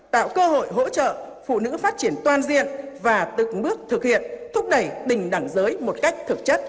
tạo cơ hội hỗ trợ phụ nữ phát triển toàn diện và tự bước thực hiện thúc đẩy bình đẳng giới một cách thực chất